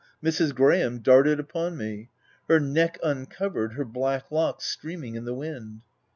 Mrs. Graham darted upon me, — her neck un covered, her black locks streaming in the wind.